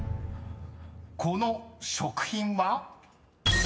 ［この食品は？］